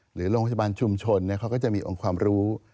หรือโรงพยาบาลชุมชนเขาก็จะมีองค์ความรู้